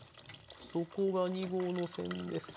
そこが２合の線です。